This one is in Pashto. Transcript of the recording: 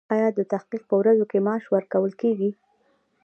ایا د تحقیق په ورځو کې معاش ورکول کیږي؟